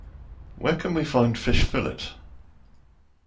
Where can we find fish fillet?